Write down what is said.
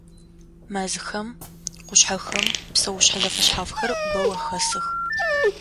Мэзхэм, къушъхьэхэм псэушъхьэ зэфэшъхьафхэр бэу ахэсых.